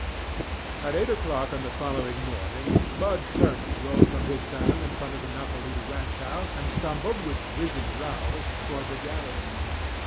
At eight o'clock on the following morning Bud Turner rolled from his saddle in front of the Nopalito ranch house, and stumbled with whizzing rowels toward the gallery.